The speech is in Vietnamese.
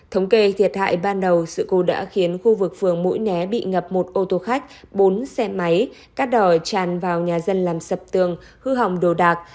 thống kê thiệt hại ban đầu sự cố đã khiến khu vực phường mũi né bị ngập một ô tô khách bốn xe máy cát đỏ tràn vào nhà dân làm sập tường hư hỏng đồ đạc